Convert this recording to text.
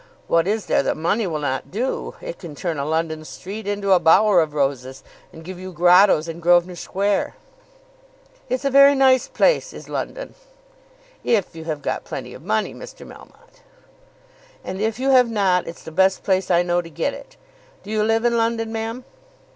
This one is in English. What is there that money will not do? It can turn a London street into a bower of roses, and give you grottoes in Grosvenor Square." "It's a very nice place, is London." "If you have got plenty of money, Mr. Melmotte." "And if you have not, it's the best place I know to get it. Do you live in London, ma'am?"